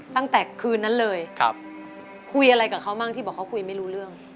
ตั้งแต่คืนนั้นเลยคุยอะไรกับเขาบ้างที่บอกเขาคุยไม่รู้เรื่อง